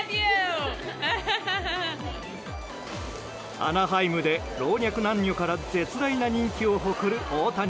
アナハイムで老若男女から絶大な人気を誇る大谷。